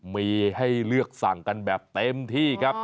มีให้เลือกสั่งกันแบบเต็มที่ครับ